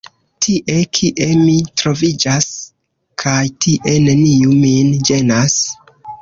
Tie, kie mi troviĝas kaj kie neniu min ĝenas.